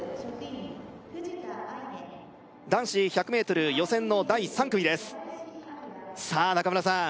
男子１００ｍ予選の第３組ですさあ中村さん